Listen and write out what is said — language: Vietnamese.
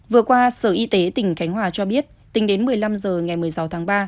vừa qua sở y tế tỉnh khánh hòa cho biết tính đến một mươi năm h ngày một mươi sáu tháng ba